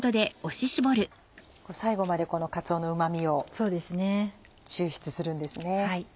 最後までこのかつおのうま味を抽出するんですね。